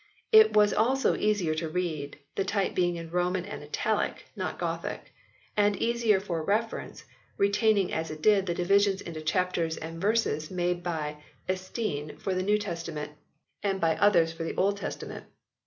It was also easier to read, the type being in Roman and Italic, not Gothic ; and easier for reference, retaining as it did the divisions into chapters and verses made by Estienne for the New Testament and by others for the Old B. 6 82 HISTORY OF THE ENGLISH BIBLE [OH. Testament.